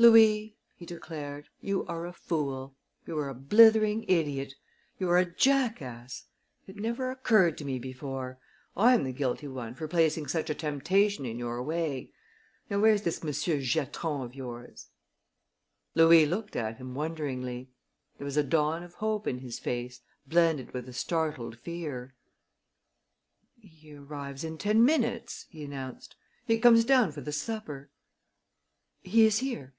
"Louis," he declared, "you are a fool! You are a blithering idiot! You are a jackass! It never occurred to me before. I am the guilty one for placing such a temptation in your way. Now where's this Monsieur Giatron of yours?" Louis looked at him wonderingly. There was a dawn of hope in his face, blended with a startled fear. "He arrives in ten minutes," he announced. "He comes down for the supper. He is here."